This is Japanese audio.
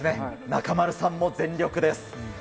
中丸さんも全力です。